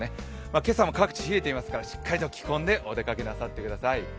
今朝も各地冷えていますからしっかりと着込んでお出かけなさってください。